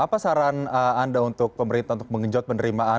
apa saran anda untuk pemerintah untuk mengejot penderimaan